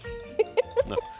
フフフフ。